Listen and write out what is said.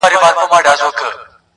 هغوی د پېښي انځورونه اخلي-